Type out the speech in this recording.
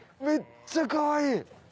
めっちゃかわいい。